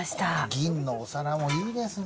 銀のお皿もいいですね。